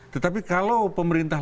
tetapi kalau pemerintah